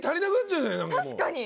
確かに。